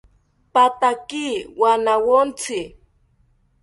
Pathaki wanawontzi